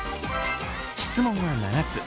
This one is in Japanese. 質問は７つ。